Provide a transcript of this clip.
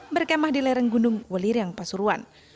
berkemah di lereng gunung welirang pasuruan